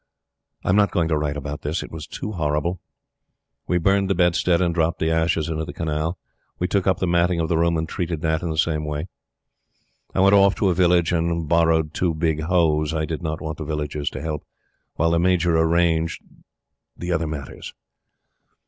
I am not going to write about this. It was too horrible. We burned the bedstead and dropped the ashes into the Canal; we took up the matting of the room and treated that in the same way. I went off to a village and borrowed two big hoes I did not want the villagers to help while the Major arranged the other matters.